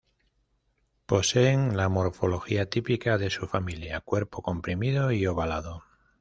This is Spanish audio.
Poseen la morfología típica de su familia, cuerpo comprimido y ovalado.